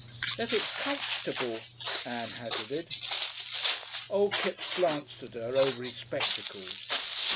"If it's comfortable ," Ann hazarded. Old Kipps glanced at her over his spectacles.